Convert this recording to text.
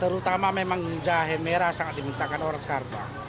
terutama memang jahe merah sangat dimintakan orang sekarang pak